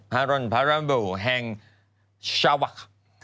บาโรนพารัมบูแห่งชาวค